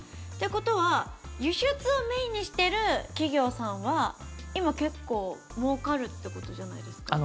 ってことは輸出をメインにしてる企業さんは今、結構もうかるってことじゃないですか？